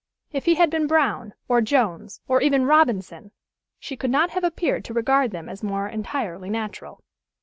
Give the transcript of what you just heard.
If he had been Brown, or Jones, or even Robinson, she could not have appeared to regard them as more entirely natural.